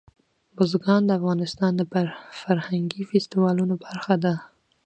بزګان د افغانستان د فرهنګي فستیوالونو برخه ده.